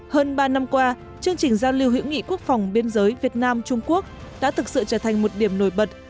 hơn ba năm qua chương trình giao lưu hữu nghị quốc phòng biên giới việt nam trung quốc đã thực sự trở thành một điểm nổi bật